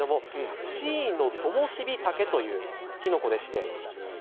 シイノトモシビタケというきのこです。